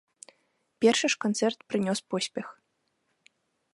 Першы ж канцэрт прынёс поспех.